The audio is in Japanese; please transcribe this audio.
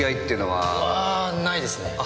はないですね。